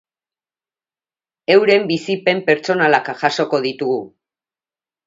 Euren bizipen pertsonalak jasoko ditugu.